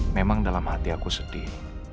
memang dalam hati aku sedih